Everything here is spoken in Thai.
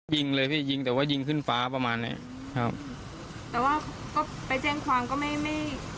ยิงเลยพี่ยิงแต่ว่ายิงขึ้นฟ้าประมาณเนี้ยครับแต่ว่าก็ไปแจ้งความก็ไม่ไม่